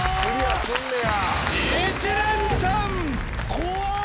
怖っ！